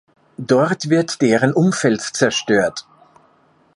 Dort wird deren Umfeld zerstört.